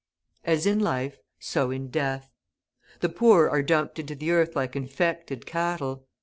As in life, so in death. The poor are dumped into the earth like infected cattle.